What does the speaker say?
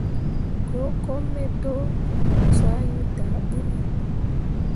Go kome to, ma sah iŋ daa bǝulli.